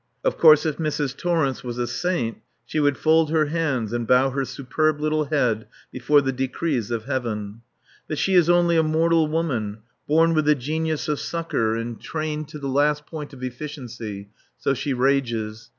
Of course if Mrs. Torrence was a saint she would fold her hands and bow her superb little head before the decrees of Heaven; but she is only a mortal woman, born with the genius of succour and trained to the last point of efficiency; so she rages.